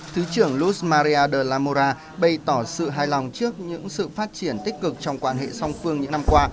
thứ trưởng luz maria de la mora bày tỏ sự hài lòng trước những sự phát triển tích cực trong quan hệ song phương những năm qua